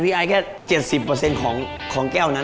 ไอแค่๗๐ของแก้วนั้น